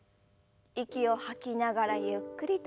息を吐きながらゆっくりと前。